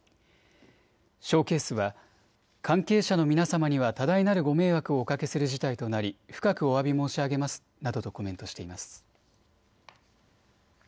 ショーケースは関係者の皆様には多大なるご迷惑をおかけする事態となり深くおわび申し上げますなどとコメントしています。